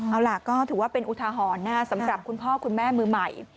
เอาล่ะก็ถือว่าเป็นอุทาหรณ์สำหรับคุณพ่อคุณแม่มือใหม่